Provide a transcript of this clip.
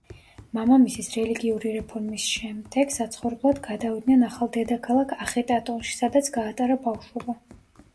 მამამისის რელიგიური რეფორმის შემდეგ საცხოვრებლად გადავიდნენ ახალ დედაქალაქ ახეტატონში, სადაც გაატარა ბავშვობა.